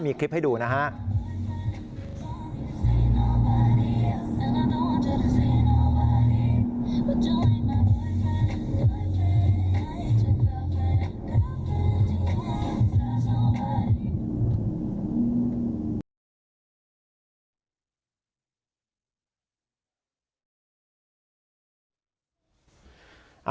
มีคลิปให้ดูนะฮะ